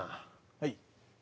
はい。